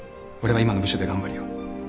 俺は今の部署で頑張るよ。